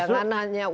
no enggak enggak